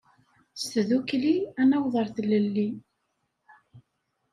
S tddukli, ad naweḍ ar tlelli.